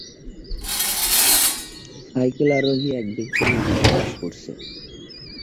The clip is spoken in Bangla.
সাইকেল আরোহী এক ব্যক্তি নদীতে বাস করছে।